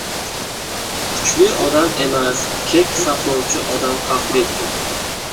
• Kuchli odam emas, kek saqlovchi odam xavfli.